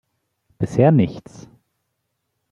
Bisher nichts.